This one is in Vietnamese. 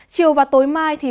chiều và tối mai